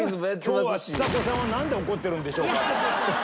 「今日はちさ子さんはなんで怒ってるんでしょうか？」とか。